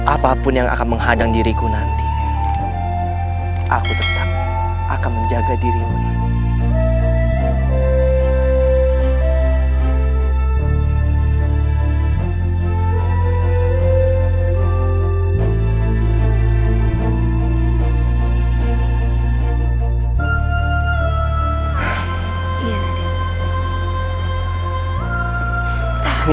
apapun yang akan menghadang diriku nanti aku tetap akan menjaga dirimu